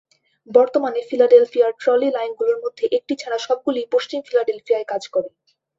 বর্তমানে, ফিলাডেলফিয়ার ট্রলি লাইনগুলির মধ্যে একটি ছাড়া সবগুলিই পশ্চিম ফিলাডেলফিয়ায় কাজ করে।